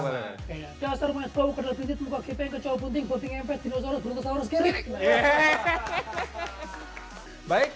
ya asal rumahnya sepau kedal pintit muka kipeng kecual pun ting bobing empat dinosaurus brontosaurus gerik